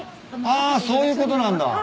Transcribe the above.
あそういうことなんだ。